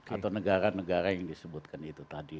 atau negara negara yang disebutkan itu tadi